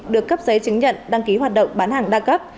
được cấp giấy chứng nhận đăng ký hoạt động bán hàng đa cấp